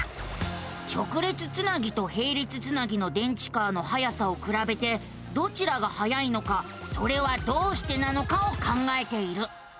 直列つなぎとへい列つなぎの電池カーのはやさをくらべてどちらがはやいのかそれはどうしてなのかを考えている。